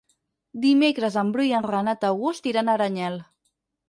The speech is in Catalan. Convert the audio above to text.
Dimecres en Bru i en Renat August iran a Aranyel.